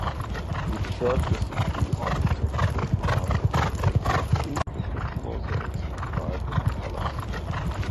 The church is a true architectural marvel, with its intricate mosaics and vibrant colors.